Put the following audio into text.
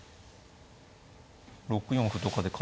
６四歩とかで。